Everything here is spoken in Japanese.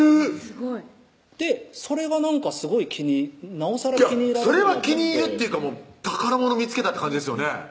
すごいそれがすごいなおさらそれは気に入るっていうか宝物見つけたって感じですよね